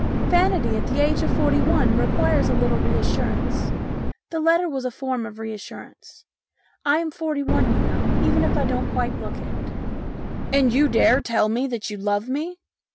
Vanity at the age of forty one requires a little reassurance. The letter was a form of reassurance. I am forty one, you know, even if I don't quite look it." " And you dare to tell me that you love me